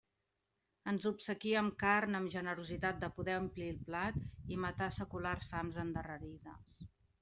Ens obsequia amb carn, amb generositat de poder omplir el plat i matar seculars fams endarrerides.